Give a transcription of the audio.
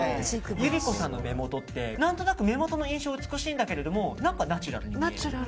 ゆり子さんの目元って何となく目元の印象は美しいんだけど何かナチュラルに見える。